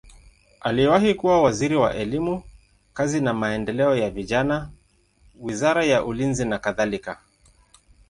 Aliwahi kuwa waziri wa elimu, kazi na maendeleo ya vijana, wizara ya ulinzi nakadhalika.